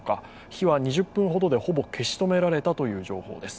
火は２０分ほどでほぼ消し止められたという情報です。